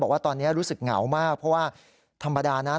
บอกว่าตอนนี้รู้สึกเหงามากเพราะว่าธรรมดานะ